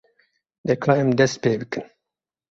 De ka em dest pê bikin.